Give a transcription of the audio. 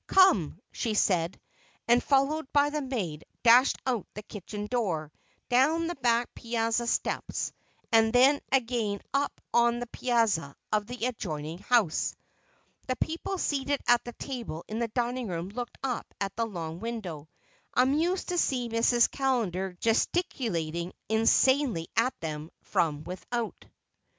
"Come!" she said, and followed by the maid, dashed out of the kitchen door, down the back piazza steps, and then up again on the piazza of the adjoining house. The people seated at the table in the dining room looked up at the long window, amazed to see Mrs. Callender gesticulating insanely at them from without.